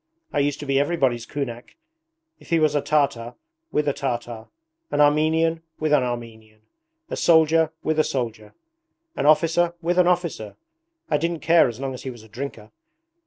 I used to be everybody's kunak. If he was a Tartar with a Tartar; an Armenian with an Armenian; a soldier with a soldier; an officer with an officer! I didn't care as long as he was a drinker.